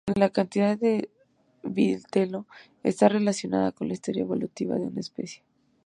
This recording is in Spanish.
La cantidad de vitelo está relacionada con la historia evolutiva de una especie.